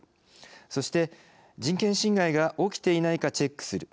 そして人権侵害が起きていないかチェックする。